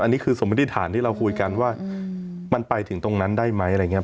อันนี้คือสมมติฐานที่เราคุยกันว่ามันไปถึงตรงนั้นได้ไหมอะไรอย่างนี้